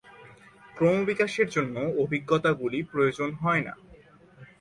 ক্রমবিকাশের জন্য অভিজ্ঞতাগুলি প্রয়োজন হয় না।